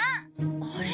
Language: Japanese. あれ？